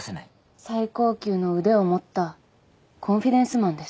最高級の腕を持ったコンフィデンスマンです。